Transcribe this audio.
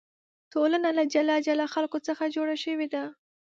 ټولنه له جلا جلا خلکو څخه جوړه شوې ده.